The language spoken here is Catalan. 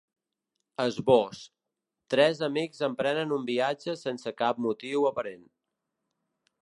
Esbós: Tres amics emprenen un viatge sense cap motiu aparent.